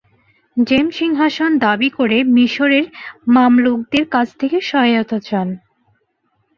জেম সিংহাসন দাবি করে মিশরের মামলুকদের কাছ থেকে সহায়তা চান।